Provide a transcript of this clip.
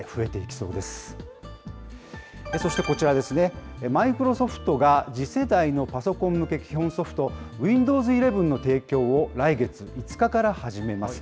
そしてこちらですね、マイクロソフトが次世代のパソコン向け基本ソフト、ウィンドウズ１１の提供を来月５日から始めます。